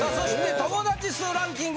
友だち数ランキング